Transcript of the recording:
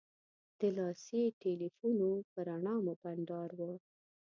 د لاسي تیلفونو په رڼا مو بنډار و.